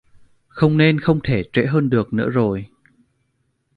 Không nên không thể trễ hơn được nữa rồi